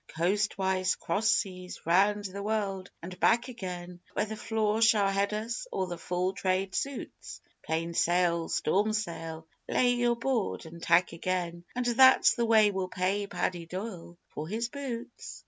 _Coastwise cross seas round the world and back again Where the flaw shall head us or the full Trade suits Plain sail storm sail lay your board and tack again And that's the way we'll pay Paddy Doyle for his boots!